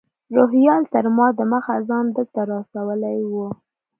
روهیال تر ما دمخه ځان دلته رارسولی و.